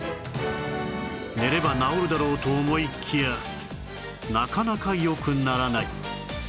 寝れば治るだろうと思いきやなかなか良くならない